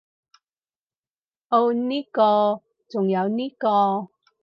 噢呢個，仲有呢個